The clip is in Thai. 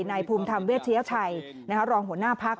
นายภูมิธรรมเวชยชัยรองหัวหน้าพัก